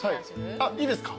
いいですか？